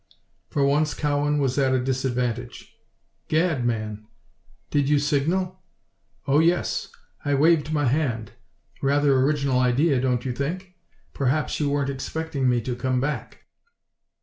For once Cowan was at a disadvantage. "Gad, man! Did you signal?" "Oh, yes. I waved my hand. Rather original idea, don't you think? Perhaps you weren't expecting me to come back."